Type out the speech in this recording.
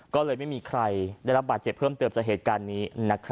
ก็เลยไม่มีใครได้รับบาดเจ็บเพิ่มเติมจากเหตุการณ์นี้